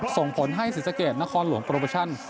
ส่งผลให้ศรีสะเกดนครหลวงโปรโมชั่น